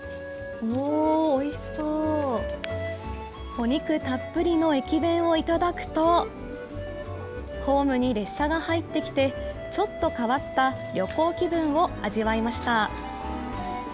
お肉たっぷりの駅弁を頂くと、ホームに列車が入ってきて、ちょっと変わった旅行気分を味わいました。